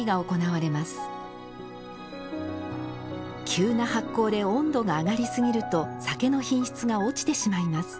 急な発酵で温度が上がりすぎると酒の品質が落ちてしまいます。